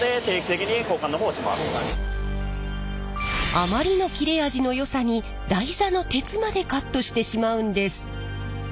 あまりの切れ味の良さに台座の鉄までカットしてしまうんです。